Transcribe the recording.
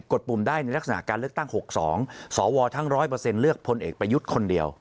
ดปุ่มได้ในลักษณะการเลือกตั้ง๖๒สวทั้ง๑๐๐เลือกพลเอกประยุทธ์คนเดียว